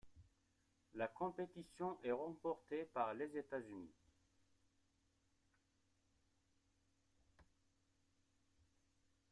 La compétition est remportée par les États-Unis.